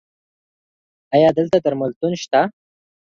ایا دلته درملتون شته؟